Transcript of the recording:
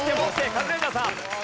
カズレーザーさん。